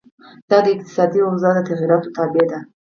دا د اقتصادي اوضاع د تغیراتو تابع ده.